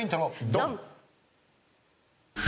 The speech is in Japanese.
ドン！